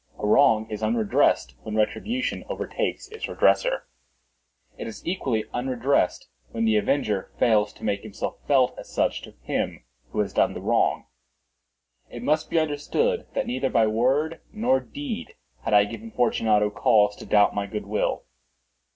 A wrong is unredressed when retribution overtakes its redresser. It is equally unredressed when the avenger fails to make himself felt as such to him who has done the wrong. It must be understood, that neither by word nor deed had I given Fortunato cause to doubt my good will.